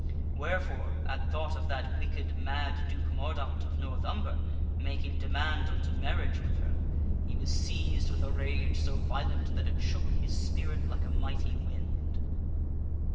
Wherefore, at thought of that wicked, mad Duke Mordaunt of North Umber making demand unto marriage with her, he was seized with a rage so violent that it shook his spirit like a mighty wind.